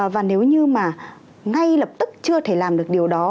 và nếu như mà ngay lập tức chưa thể làm được điều đó